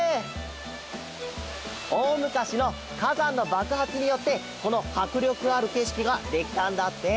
おおむかしのかざんのばくはつによってこのはくりょくあるけしきができたんだって。